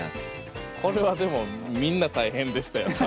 これはでもみんな大変でしたよね。